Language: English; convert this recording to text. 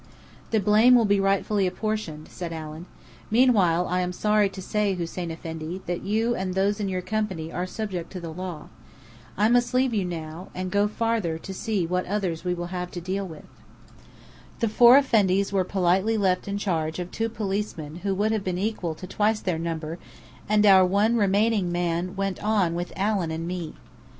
"The blame will be rightfully apportioned," said Allen. "Meanwhile, I am sorry to say, Hussein Effendi, that you and those in your company are subject to the law. I must now leave you, and go farther to see what others we have to deal with." The four Effendis were politely left in charge of two policemen who would have been equal to twice their number, and our one remaining man went on with Allen and me.